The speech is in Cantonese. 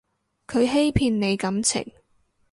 佢欺騙你感情